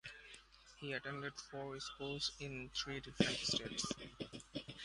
He attended four schools in three different states.